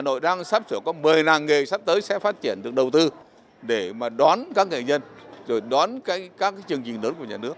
hà nội đang sắp sửa có một mươi làng nghề sắp tới sẽ phát triển được đầu tư để mà đón các nghệ nhân rồi đón các chương trình lớn của nhà nước